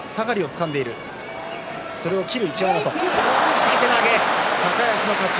下手投げ、高安の勝ち。